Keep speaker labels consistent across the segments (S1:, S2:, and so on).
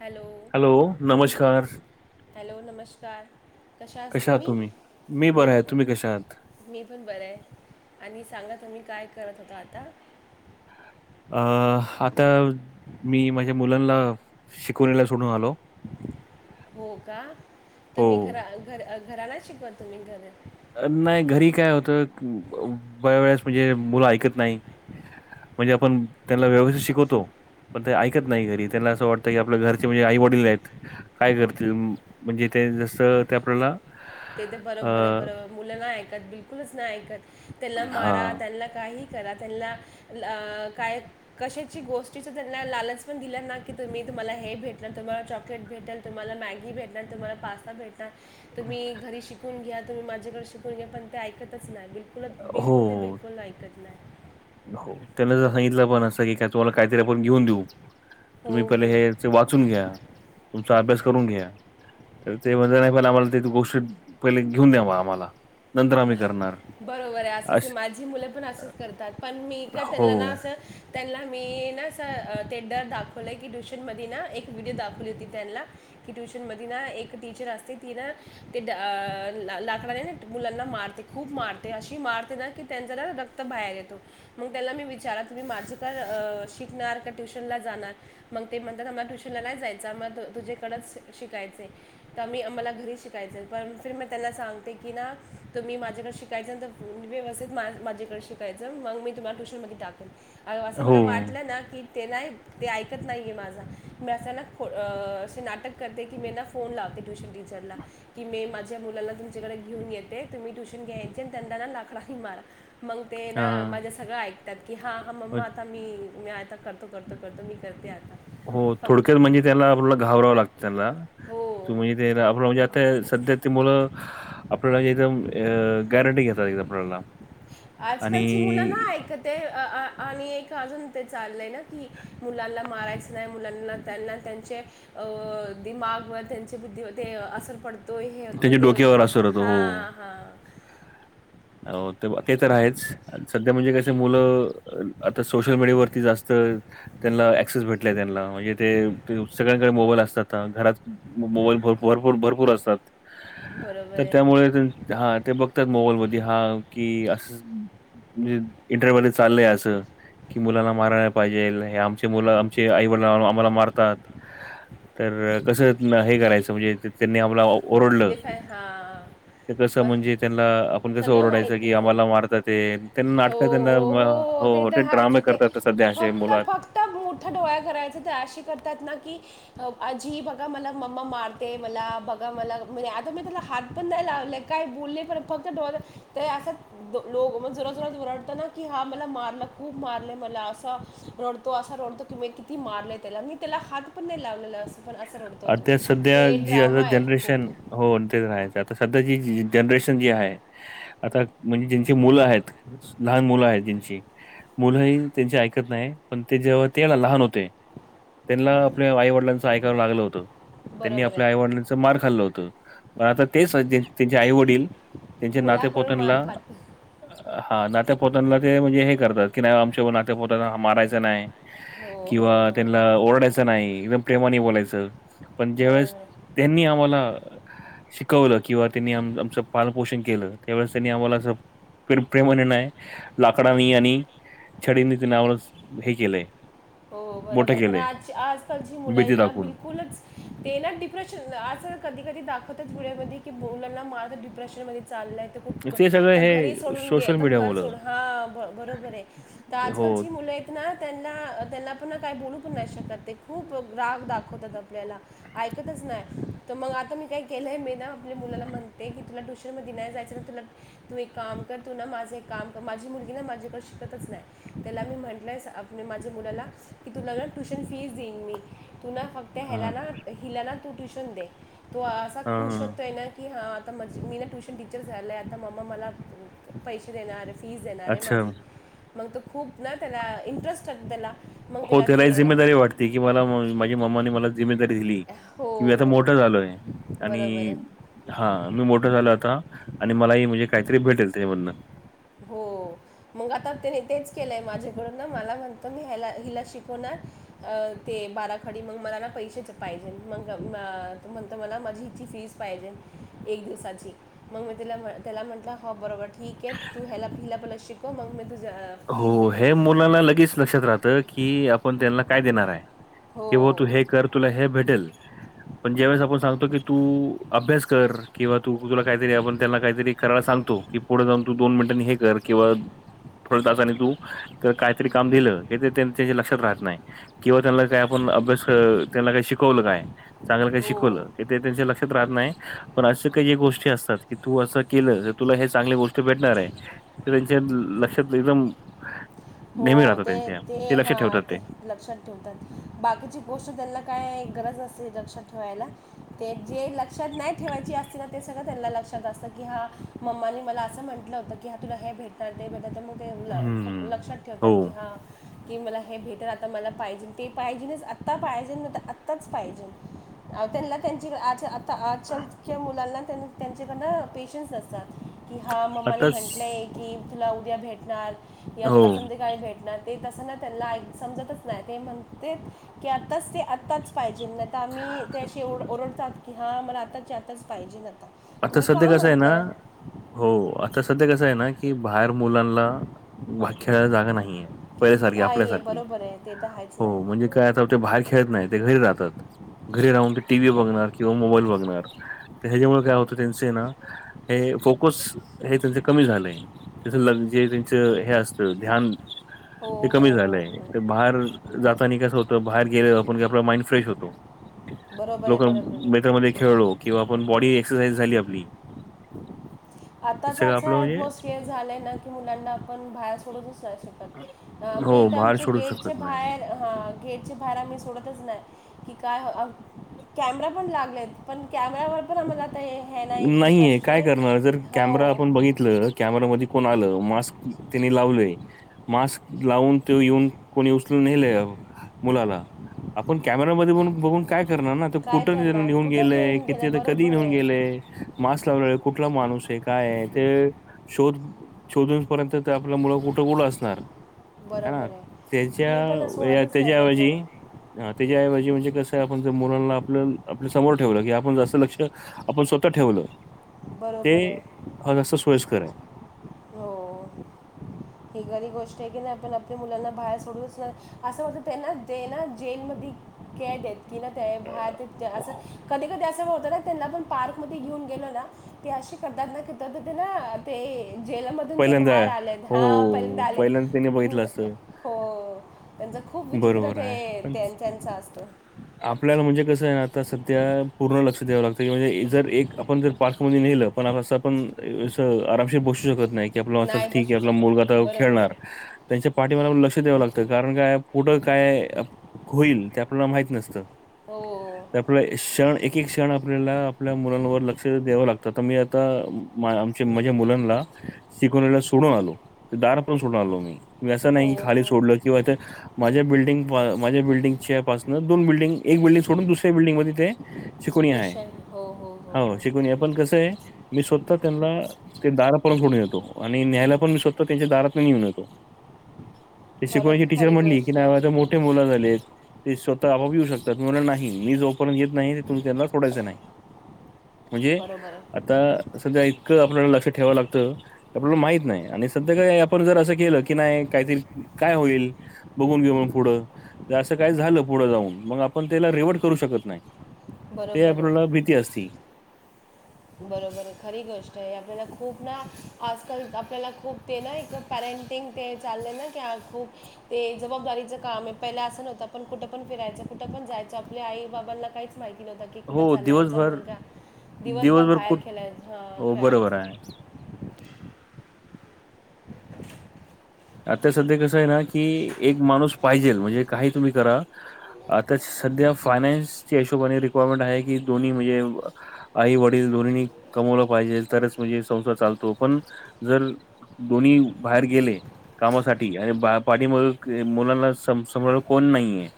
S1: Hello.
S2: Hello, नमस्कार.
S1: Hello नमस्कार, कशेआस
S2: कशा आहात
S1: तुम्ही?
S2: मी बरं आहे तुम्ही कशा आहात
S1: मी पण बरय आणि सांगा तुम्ही काय करत होता आता?
S2: अं आता मी माझ्या मुलांना शिकवणीला सोडून आलो.
S1: हो का?
S2: हो
S1: तुम्ही घरा घरा घरा नाय शिकवत तुम्ही घर
S2: नाही घरी काय होतं बऱ्यावेेळेस म्हणजे मुलं ऐकत नाय. म्हणजे आपण त्यांना व्यवस्थित शिकवतो. पण ते ऐकत नाही घरी त्यांना असं वाटतं की आपल्या घरचे म्हणजे आई वडील आहेत. काय करतील म तिथं जसं ते आपल्याला
S1: तेत
S2: अ,
S1: बरोबरय बरो मुलं नाही ऐकत बिलकुलच नाही ऐकत त्यांना मारा
S2: हां
S1: त्यांना काही करा त्यांन्ला अं काय कशाची गोष्टीचं त्यांना लालच पण दिलं ना की तुम्ही तुम्हाला हे भेटल तुम्हाला चॉकलेट भेटेल तुम्हाला मॅगी भेटन, तुम्हाला पास्ता भेटन तुम्ही घरी शिकून घ्या तुम्ही माझ्याकडं शिकून घ्या पण ते ऐकतच नाही बिलकुल बिलकुल ते
S2: हो
S1: बिलकुल नाय ऐकत नाय.
S2: हो. त्यांना जर सांगितलं पण अस की तुम्हाला काहीतरी आपण घेऊन देऊ
S1: हो
S2: तुम्ही पहिले
S1: हो
S2: हे वाचून घ्या तुमचा अभ्यास करून घ्या. तर ते म्हणल नाय पहिल आम्हाला ते गोशीत पहिल घेऊन द्या म आम्हाला. नंतर आम्ही करणार.
S1: बरोबर आय असंच
S2: अश
S1: माझी मुलं पण असंच करतात. पण मी का
S2: हो
S1: त्यांनला ना असं त्यांना मी ना अस ते डर दाखवलं की ट्युशनमध्ये ना व्हिडिओ दाखवली होती त्यांनला. कि ट्यूशन मधी ना एक टीचर असती ती ना ते अ लाकड ना मुलाना मारते खूप मारते अशी मारते ना की त्यांचा ना रक्त बाहेर येतो. मग त्याला मी विचारा तुम्ही माझं का शिकणार का ट्युशनला जाणार? मग ते म्हणतात आमला ट्युशनला नाय जायचं आम्हाला तुझेकडच शिकायचय. तर मी आम्हाला घरी शिकायच पण फिर मी त्यांना सांगते की ना तुम्ही माझ्याकड शिकायचं तर व्यवस्थित माझेकडे शिकायचं मग मी तुम्हाला ट्यूशनमध्ये टाकेल. असं
S2: हो
S1: मला वाटलं ना की ते नाय ते ऐकत नाहीये माझा मी आस ना खो अस नाटक करते की मी ना फोन लावते ट्यूशन टीचरला की मी माझ्या मुलाला तुमच्याकडे घेऊन ये ते तुम्ही ट्युशन घ्यायचे त्यांना ना लाकडाने मारा. मग ते ना
S2: हा.
S1: माझं सगळं ऐ कत्यात की हा मम्मा आता मी आता करतो करतो करतो मी करते आता.
S2: हो थोडक्यात
S1: फक्त
S2: म्हणजे त्याला आपला घाबरावं लागतं त्याला
S1: हो
S2: तुम्ही त्याला आपला म्हणजे ते सध्या ते मुलं आपल्याला एकदम अ गॅरंटी घेतात एकदम आपल्याला.
S1: आजकालची मुलं
S2: आणि
S1: ना ऐकत ते आणि एक अजून ते चाललंय ना की मुलांना मारायचं नाय मुलांना त्यांना त्यांचे दिमागवर त्यांचे बुद्धीवर ते असर पड तोय हे होतो
S2: त्याच्या
S1: ते होत
S2: डोक्यावर असर होतो
S1: हा
S2: हो.
S1: हा.
S2: हो तेब, ते तर आहेच. सध्या म्हणजे कस मुलं आता सोशल मीडियावरती जास्त त्यांना ऍक्सेस भेटलय त्यांना म्हणजे ते सगळ्यांकडे मोबाईल असतात. घरात मोबाईल भर भरपूर भरपूर असतात.
S1: बरोबर
S2: तर
S1: आहे
S2: त्यामुळे तर हा ते बघतात मोबाईल मधी हा कि असं म्हणजे इंटरव्हल चालय असं. कि मुलाला मारायला पाहिजेल आमचे मुलं आमचे आई वडला आम्हाला मारतात. तर कसं हे करायचं म्हणजे त्यांनी आम्हाला ओरडलं
S1: डिफाय हां
S2: ते कस
S1: पण
S2: म्हणजे त्यांना कसं
S1: सगळं
S2: ओरडायचं की
S1: माहिती आहे
S2: आम्हाला मारतायत ए त्यांना
S1: हो
S2: नाटक त्यांना
S1: हो हो
S2: हो ते
S1: तर आहेच
S2: ड्रामे
S1: ते
S2: करतात. सध्या अशे
S1: फक्त
S2: मुलं
S1: फक्त मोठ डोळ करायच ते अशी करतात ना की आजी बघा मलाग मम्मा मारते मला बघा मला म्हणजे आता मी त्याला हात पण नाय लावले काय बोलले पण फक्त डोळ तर असं दो लो मग जोरात जोरात रडतं ना की हा मला मारला खूप मारलं मला असा रडतो असा रडतो कि मी किती मारलंय त्याला मी त्याला हात पण नाय लावलेला अस. पण असं रडतो तो
S2: आता सध्या
S1: ते
S2: जी आता
S1: ड्रामा आयत
S2: जनरेशन
S1: खूप.
S2: हो ते तर हायचं आता सध्या जी जनरेशन जी हाय आता म्हणजे ज्यांची मुलं हायत लहान मुलं हायत ज्यांची मुलंही त्यांचे ऐकत नाय, पण ते जेव्हा ते लहान होते त्यांना आपल्या आईवडिलांचं ऐकावं लागलं होतं. त्यांनी
S1: बरोबर
S2: आपल्या आई
S1: आहे
S2: वडिलांच मार खाल्लं होतं. पण आता तेच त्यांचे आई वडील त्यांच्या नात्या
S1: मुलाकडून मार
S2: पोत्यांला
S1: खात
S2: हा नात्यापोत्यांना ते म्हणजे हे करतात की नाय आमच्या नात्यापोत्यांना मारायचं नाय.
S1: हो हो
S2: किंवा
S1: हो
S2: त्यांना ओरडायचं नाय एकदम प्रेमाने बोलायचं. पण
S1: बरोबर
S2: ज्यावेेळेस
S1: आहे
S2: त्यांनी आम्हाला शिकवलं. किंवा त्यांनी आमचं पाल पोषण केलं. त्यावेळेस त्यांनी आम्हाला अस कड प्रेमाने नाय. लाकडानी यानी. छडीनी ते नावळ च हे केलंय.
S1: हो
S2: मोठं
S1: बरोबर. पण
S2: केलंय,
S1: आजची आजकालची
S2: भीती
S1: मुलंयेत ना
S2: दाखवून.
S1: बिलकुलच ते ना डिप्रेशन आस कधी कधी दाखवतच पुढ्यामध्ये की मुलांना मारल डिप्रेशन मधी चाललंय
S2: ते सगळं
S1: खूप घरी
S2: हे
S1: सोडून घे
S2: सोशल
S1: घर
S2: मीडियामुळं.
S1: सोडून हा बरोबरे. [unintelligible] तर
S2: हो.
S1: आजकालची मुलंयेत ना. त्यांना त्यांना पण काही बोलू पण नाही शकते. ते खूप राग दाखवतात आपल्याला. ऐकतच नाय. तर मग आता मी काय केलंय मी ना आपल्या मुलाला म्हणते की तुला टू मध्ये नाही जायचं ना तुला तू एक काम कर. तू ना माझं एक काम माझी मुलगी ना माझ्याकडे शिकतच नाही. त्याला मी म्हंटलंय माझ्या मुलाला की तुला ना ट्युशन फीज देईन मी. तुला फक्त ह्याला
S2: हां,
S1: ना हिलालाना तू ट्युशन दे. तो असा
S2: हां,
S1: खुश
S2: हां.
S1: होतोय ना की हा, आता मज मी ना ट्युशन टीचर झालंय. आता मम्मा मला पैसे देणार. फीज देणारे
S2: अच्छा.
S1: माझी. मग त खूप ना त्याला इंटरेस्टेस त्याला. मग
S2: हो
S1: तिला
S2: त्याला
S1: ती
S2: जिमेदारी वाटते. की मला माझ्या माम्मानी मला जिम्मेदारी दिली.
S1: हो
S2: कि मी आता
S1: हो
S2: मोठा झालोय.
S1: बरोबर
S2: आणि
S1: आहे
S2: हा मी मोठं झालोय आता. आणि मलाही म्हणजे काहीतरी भेटेल त्याच्यामधनं.
S1: हो. मग आता त्याने तेच केलंय. माझ्याकडून ना मला म्हणतो मी ह्या हिला शिकवणार. अ ते बाराखडी मग मला ना पैसेच पाहिजे. मग म्हणत मला माझी इची फिज पाहिजे एक दिवसाची. मग मी त्याला म्हटलं हो बरोबर ठीके. तू ह्याला हिलापहला शिकव मग मी तुझ्या अ
S2: हो हे मुलाना लगेच लक्षात राहतं की, आपण त्यांना काय देणार आहे. कि
S1: हो
S2: बा तू हे कर. तुला हे भेटेल. पण ज्यावेेळेस आपण सांगतो की तू अभ्यास कर. किंवा तू तुला काहीतरी आपण त्यांना काहीतरी करायला सांगतो. कि पुढ जाऊन तू दोन मिनीटांनी हे कर. किंवा थोड तासाने तू काहीतरी काम दिलं. त्यांच्या लक्षात राहत नाही. किंवा त्यांना काय आपण अभ्यास त्यांना काय शिकवलं काय. चांगलं काय
S1: हो
S2: शिकवलं. ते ते त्यांचे लक्षात राहत नाही. पण असे काही गोष्टी असतात. की तू असं केलं तर, तुला हे चांगली गोष्टी भेटणारे. त्यांच्या लक्षात एकदम
S1: हो
S2: नेहमी राहतं
S1: ते
S2: त्यांच्या
S1: ते हा
S2: लक्षात ठेवतात
S1: ते लक्षात ठेवतात. बाकीची गोष्ट त्यांना काय गरज असली लक्षात ठेवायला. ते जे लक्षात नाही ठेवायची असते ना ते सगळं त्यांना लक्षात असतं. की हा मम्मानी मला असं म्हंटलं होतं. की हा तुला हे भेटणार. ते भेटानार. तर मग ते ल फ
S2: हम्म
S1: लक्षात ठेवतात.
S2: हो
S1: की हा की मला हे भेटल. आता मला पाहिजे. ते पाहिजे. आत्ता पाहिजे. तर आत्ताच पाहिजे. अव त्यांना त्यांची आच आ त आजकालच्या मुलांना त्यांचेकडना पेशन्स नसतात. कि हा मम्मानी
S2: आताच
S1: म्हंटलंय की तुला उद्या भेटणार. या
S2: हो
S1: तुला भेटणार ते. तस नाय त्यांना समजतच नाही. ते म्हणते की आताच ते आताच पाहिजे. नाही त अम्ही ते अशी ओओरडत की हां मला आताची आत्ताच पाहिजे. नेहत
S2: आता सध्या कसंय ना? हो आता सध्या कसंय ना. की बाहेर मुलांना वा खेळायला जागा नाहीये. पहिल्यासारखी
S1: नाही आहे
S2: आपल्यासारखी
S1: बरोबर आहे ते तर आहेच
S2: हो
S1: नाही
S2: म्हणजे काय आता ते बाहेर खेळत नाही ते घरी राहतात. घरी राहून ते टी व्ही बघणार किंवा मोबाईल बघणार तर ह्याच्यामुळे काय होतं त्यांचय ना हे फोकस हे त्यांचे कमी झालंय. त्याच लक्झरी च हे असत ध्यान
S1: हो
S2: ते कमी
S1: हो हो
S2: झालंय
S1: हो
S2: ते बाहेर जातानी कसं होतं बाहेर गेलेलं आपण की आपला माइंड फ्रेश होतो.
S1: बरोबर आहे
S2: लोक,
S1: बरोबर आहे
S2: मित्रामध्ये खेळलो किंवा आपण बॉडी एक्सरसाइज झाली आपली हे
S1: आताच
S2: सगळं
S1: असं
S2: आपलं म्हणजे
S1: ऍटमॉसफियर झालंय ना की मुलांना आपण बाहेर सोडूतच नाही शकत. अ मी
S2: हो,
S1: तर
S2: बाहेर
S1: आमचे
S2: सोडू
S1: गेटचे
S2: शकत नाही.
S1: बाहेर हा गेटचे बाहेर आम्ही सोडतच नाय. कि काय कॅमेरा पण लागलेत पण कॅमेरावर पण आम्हाला हे नाय की
S2: नाहीये काय
S1: [unintelligible]
S2: करणार जर कॅमेरा
S1: हो
S2: आपण बघितलं, कॅमेरा मध्ये कोण आल, मास्क त्याने लावलय मास्क लावून त्योव येऊन कोणी उचलुन नेलय मुलाला आपण कॅमेरामध्ये बघून काय करणार ना
S1: काय
S2: कुठं
S1: करणार
S2: लेऊन
S1: कुठं
S2: गेलय
S1: गेम गेले
S2: कि कधी
S1: बरोबर
S2: निहून गेलेय
S1: आहे
S2: मास्क लावलेला कुठला माणूसय काय आहे ते शोध शोधून पर्यंत ते आपलं मुल कुठं गुल असणार. हाय ना
S1: बरोबर आहे
S2: त्याच्या
S1: मी पण सोडतच
S2: त्याच्या
S1: नाही
S2: ऐवजी
S1: त्यांना
S2: ह त्याच्याऐवजी म्हणजे कसं आपण जर मुलांना आपलं आपल्या समोर ठेवलं की आपण जास्त लक्ष आपण स्वतः ठेवलं. ते
S1: बरोबरय
S2: हा जास्त सोयस्कर आहे
S1: हो. ही खरी गोष्ट आहे की नाही आपण आपल्या मुलांना बाहेर सोडूचणाय असं वाटतं त्यांना ते ना जेलमधी कैदयत कि ना ते बाहेर तिथ असं
S2: अं,
S1: कधी कधी अस त्यांना पण पार्क मध्ये घेऊन गेलो ना ते असे करतात ना [unintelligible] ते जेलमधून ते
S2: पहिल्यांदा
S1: बाहेर आलेत.
S2: हो
S1: हा परिंद आलेत
S2: पहिल्यांदा त्याने
S1: अं
S2: बघितलं असतं
S1: हो. त्यांचं खूप विचित्र
S2: बरोबर
S1: ते
S2: आहे पण
S1: त्यांच त्यांच असतं.
S2: आपल्याला म्हणजे कसं आहे ना आता सध्या पूर्ण लक्ष द्यावं लागतं की म्हणजे जर एक आपण जर पार्कमध्ये नेलं पण असं आपण अस आरामशीर बसू शकत नाही की आपलं अस
S1: नाही
S2: ठीकय
S1: बसू
S2: आपला मुलगा
S1: शकत
S2: आता
S1: बरोबर
S2: खेळणार
S1: आहे
S2: त्यांच्या पाठीमाला लक्ष द्यावं लागत कारण काय पुटं काय होईल ते आपल्याला नसत. त.
S1: हो.
S2: ते आपला क्षण एक एक क्षण आपल्याला आपल्या मुलांवर लक्ष द्यावं लागत तर मी आता मा आमच्या माझ्या मुलांना शिकवनीला सोडून आलो दारापर्यंत सोडून आलो मी. म असं
S1: हो
S2: नाही की खाली
S1: हो
S2: सोडल
S1: हो
S2: किंवा ते माझ्या बिल्डिंग पा माझ्या बिल्डिंगच्या पासन दोन बिल्डंग, एक बिल्डिंग सोडून दुसऱ्या बिल्डंग मध्ये ते शिकवणी आहे हो शिकवणी हाय पण कसंय मी स्वत त्यांनला ते दारात पर्यंत सोडून येतो आणि न्यायला पण मी स्वतः त्यांच्या दारातून घेऊन येतो. ते
S1: खरं
S2: शिकवण्याची टीचर
S1: खरी
S2: म्हणली की
S1: गोष्ट आहे
S2: नाही आता मोठे मुल झालेत ते स्वत हा पण येऊ शकतात मी म्हणल नाही मी जोपर्यंत येत नाही तो पर्यंत तुम्ही त्यांना सोडायच नाही. म्हणजे
S1: बरोबर आहे
S2: आता सध्या इतक आपल्याला लक्ष ठेवाव लागत आपल्याला माहित नाही आणि सध्या काही आपण जर असं केलं की नाही कायतरी काय होईल बघून घेऊ मग पुढं, तर असं काय झालं पुढं जाऊन मग आपण त्याला रिवट करू शकत नाही ते
S1: बरोबर
S2: आपल्याला
S1: आहे
S2: भीती असती.
S1: बरोबर आहे खरी गोष्टय आपल्याला खूप ना आजकाल आपल्याला खूप ते ना एक पॅरेंटिंग ते चालल ना की आ खूप ते जबाबदारीचं काम आहे. पहिलं असं नव्हतं आपण कुठं पण फिरायचो. कुठं पण जायचो. आपल्या आई बाबांना काहीच- माहिती नव्हत की
S2: हो
S1: कुठं चाललाय आमचा
S2: दिवसभर
S1: मुलगा? क दिवसभर बाहेर खेलाय हं
S2: हो बरोबर
S1: खेळायचो.
S2: आहे आता सध्या कसं आहे ना? की एक माणूस पाहिजेल म्हणजे काही तुम्ही करा. आता सध्या फायनान्सच्या हिशोबाने रिक्वायरमेंट आहे की, दोन्ही म्हणजे- आई वडील दोन्हीनी कमवलं पाहिजे. तरच म्हणजे संसार चालतो पण जर- दोन्ही बाहेर गेले- कामासाठी. आणि बा पाठीमाग मुलांना स सांभाळायला कोण नाहीये-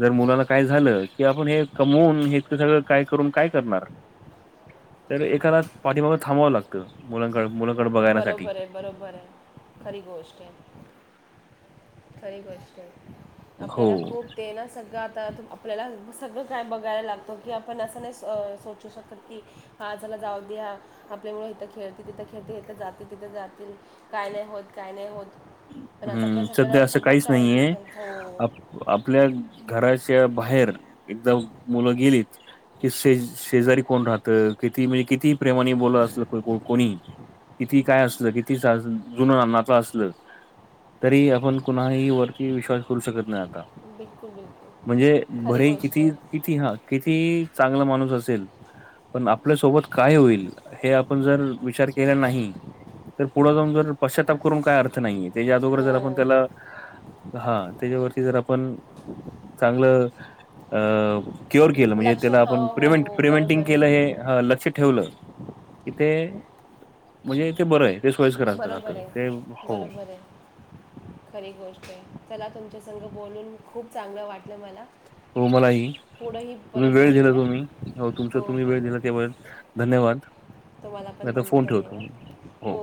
S2: जर मुलाला काय झालं की आपण हे कमवून हे इतकं सगळ काय करून काय करणार? तर एकाला पाठीमाग थांबावं लागतं. मुलांकड मुला-
S1: बरोबर ए. बरोबर ए. खरी गोष्ट ए. खरी गोष्ट ए.
S2: हो.
S1: आपल्याला खूप- ते ना सगळं आता त आपल्याला सगळं काय बघायला लागतं की आपण असं नाही स सोचू शकत की- हा. चला जाऊ द्या आपल मुल इथं खेळतेय तिथं खेळतेय. इथे जातील तिथे जातील. काय नाही होत. काय नाही होत. तर आता
S2: हं.
S1: आपण
S2: सध्या
S1: सगळ
S2: असं
S1: सगळं
S2: काहीच
S1: काळजी
S2: नाहीये.
S1: पण हो.
S2: आप आपल्या घराच्या बाहेर एकदा मुलं गेलीत- कि शे शेजारी कोण राहतं? किती म्हणजे किती- प्रेमानी बोललं असलं कोणी. किती काय असलं किती जुनं नातंअसलं- तरीही आपण कुणाही वरती विश्वास करू शकत नाही आ- -ता.
S1: बिलकुल
S2: म्हणजे
S1: बिलकुल खरी
S2: भरे
S1: गोष्ट
S2: कितीही -
S1: आहे
S2: किती हां. किती चांगला माणूस असेल- पण आपल्यासोबत काय होईल? हे आपण जर विचार केला नाही- तर पुढं जाऊन जर पश्चाताप करून काय अर्थ नाहीये. त्याच्या अदोगर
S1: हो
S2: जर आपण त्याला- हां. त्याच्यावरती जर आपण चांगलं अं- क्यूयर केलं. म्हणजे
S1: लक्ष
S2: त्याला
S1: हो
S2: आपण
S1: हो
S2: प्रिव्हें
S1: हो
S2: प्रिव्हेंटिंग
S1: बरोबर
S2: केलं
S1: आहे
S2: हे लक्ष ठेवलं- इथे म्हणजे ते बरं आहे. ते सोयस्कर असत राहत हो.
S1: बरंय. खरी गोष्टय. चला तुमच्या संग बोलून खूप चांगलं वाटलं मला.
S2: हो मलाही.
S1: पुढंही
S2: तुम्ही
S1: परत
S2: वेळ दिला
S1: बोलूया
S2: तुम्ही. हो तुमचा तुम्ही
S1: हो
S2: वेळ
S1: हो
S2: दिला त्या- धन्यवाद.
S1: तुम्हाला पण
S2: आता
S1: धन
S2: फोन ठेवतो मी.
S1: धन्यवाद
S2: हो.